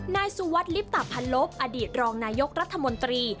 นายสุวัสดิลิปตะพันลบอดีตรองนายกรัฐมนตรี